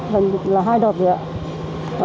gần là hai đợt rồi ạ